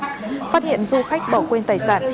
phát hiện du khách bỏ quên tài sản